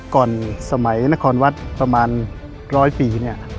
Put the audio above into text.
ก่อนสมัยนครวัฒน์ประมาณร้อยปี